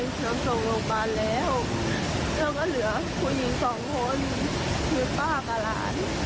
ที่สาวคนลองเขาบอกว่าลูกหนูยังไม่ได้กลับบ้าน